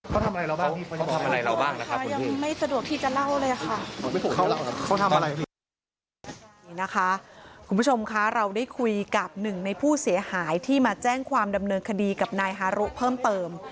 นี่นะคะคุณผู้ชมคะเราได้คุยกับหนึ่งในผู้เสียหายที่มาแจ้งความดำเนินคดีกับนายฮารุเพิ่มเติม